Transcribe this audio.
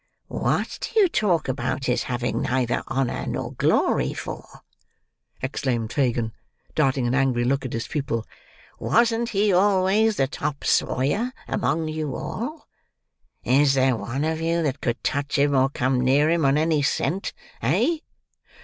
"What do you talk about his having neither honour nor glory for!" exclaimed Fagin, darting an angry look at his pupil. "Wasn't he always the top sawyer among you all! Is there one of you that could touch him or come near him on any scent! Eh?"